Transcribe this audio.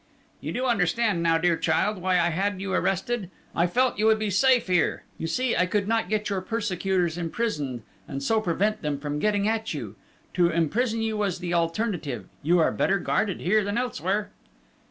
"You do understand now, dear child, why I had you arrested?... I felt you would be safe here.... You see, I could not get your persecutors imprisoned and so prevent them from getting at you. To imprison you was the alternative: you are better guarded here than elsewhere."